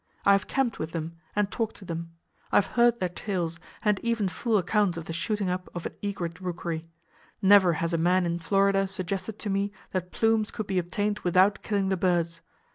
I have camped with them, and talked to them. I have heard their tales, and even full accounts of the 'shooting up' of an egret rookery. Never has a man in Florida suggested to me that plumes could be obtained without killing the birds.